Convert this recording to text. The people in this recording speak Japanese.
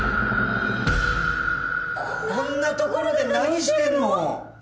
こんな所で何してんの！？